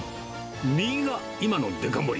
右が今のデカ盛り。